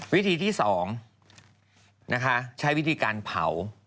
วิธีที่๒ใช้วิธีการเผา